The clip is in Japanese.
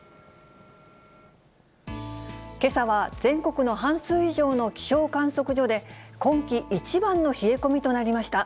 けさは全国の半数以上の気象観測所で、今季一番の冷え込みとなりました。